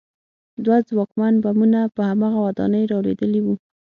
دوه ځواکمن بمونه په هماغه ودانۍ رالوېدلي وو